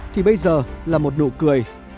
thì bây giờ là một nụ cười